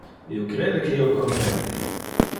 Io crede que io comprende.